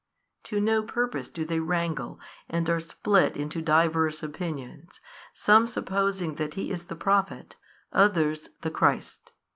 To no purpose do they wrangle and are split into diverse opinions, some supposing that He is the Prophet, others the Christ.